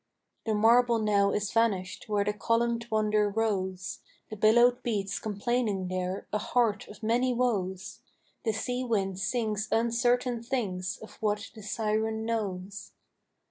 The marble now is vanished where the columned wonder rose; The billow beats complaining there, a heart of many woes; The sea wind sings uncertain things of what the Siren knows.